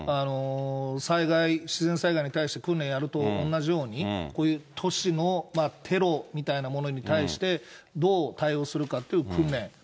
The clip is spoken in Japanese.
災害、自然災害に対して訓練やると同じように、こういう都市のテロみたいなものに対して、どう対応するかっていう訓練。